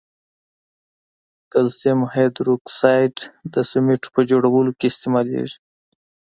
کلسیم هایدروکساید د سمنټو په جوړولو کې استعمالیږي.